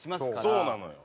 そうなのよ。